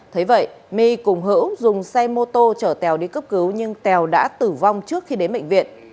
thấy vậy my cùng hữu dùng xe mô tô chở tèo đi cấp cứu nhưng tèo đã tử vong trước khi đến bệnh viện